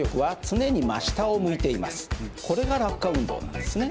これが落下運動なんですね。